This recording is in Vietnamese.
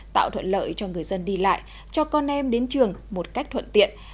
tạo thuận lợi cho người dân đi lại cho con em đến trường một cách thuận tiện